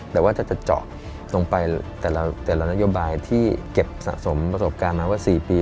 แต่ว่าจะเจาะลงไปแต่ละนโยบายที่เก็บสะสมประสบการณ์มาว่า๔ปี